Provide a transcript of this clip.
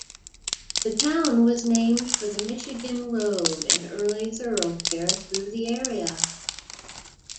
The town was named for the Michigan Road, an early thoroughfare through the area.